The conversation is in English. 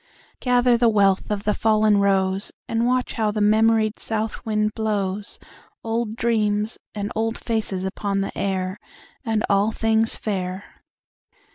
Gather the wealth of the fallen rose, And watch how the memoried south wind blows Old dreams and old faces upon the air, And all things fair.